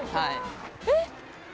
えっ？